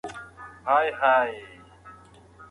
افغانستان د اوبو له اړخه یو غنی هېواد بلل کېږی.